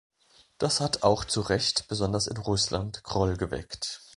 Das hat auch zurecht besonders in Russland Groll geweckt.